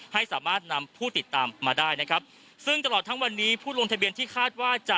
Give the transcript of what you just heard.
ให้สามารถนำผู้ติดตามมาได้นะครับซึ่งตลอดทั้งวันนี้ผู้ลงทะเบียนที่คาดว่าจะ